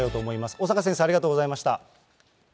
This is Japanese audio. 小坂先生、ありがとうございました。